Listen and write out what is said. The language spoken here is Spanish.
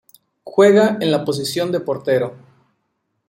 Juega en la posición de portero.